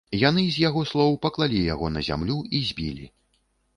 Яны, з яго слоў, паклалі яго на зямлю і збілі.